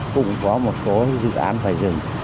cũng có một số dự án phải dừng